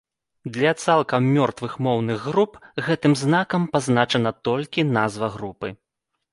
Для цалкам мёртвых моўных груп гэтым знакам пазначана толькі назва групы.